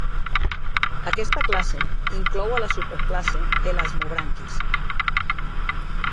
Aquesta classe inclou a la subclasse elasmobranquis.